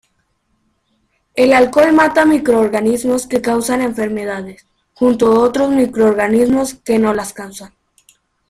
El alcohol mata microorganismos que causan enfermedades, junto otros microorganismos que no las causan.